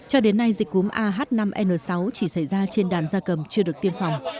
cho đến nay dịch cúm ah năm n sáu chỉ xảy ra trên đàn da cầm chưa được tiêm phòng